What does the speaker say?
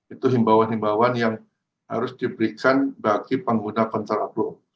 itu imbauan imbauan yang harus diberikan bagi pengguna kontraflow